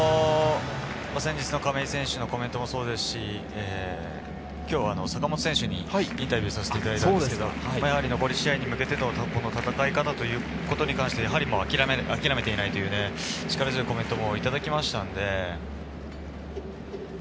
先日の亀井選手のコメントもそうですが、今日、坂本選手にインタビューしたんですけど、残り試合に向けてトップの戦い方ということに関して諦めていないという力強いコメントをいただきました。